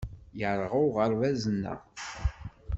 Yerɣa uɣerbaz-nneɣ.